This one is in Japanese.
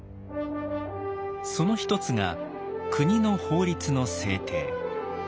その一つが国の法律の制定。